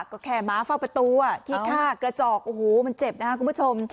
แม้ฟากประตูที่ฆ่ากระจอกมันเจ็บนะครับคุณผู้ชม